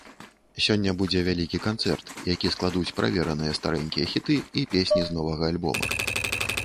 Сёння будзе вялікі канцэрт, які складуць правераныя старэнькія хіты і песні з новага альбома.